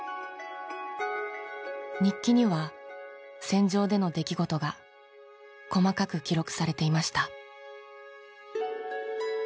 日記には戦場での出来事が細かく記録されていました。